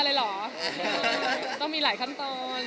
หรือเปล่าหรือเปล่า